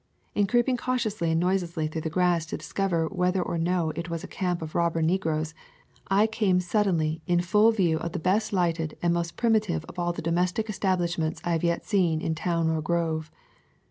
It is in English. In creep ing cautiously and noiselessly through the grass to discover whether or no it was a camp of robber negroes, I came suddenly in full view of the best lighted and most primitive of all the domestic establishments I have yet seen in town or grove.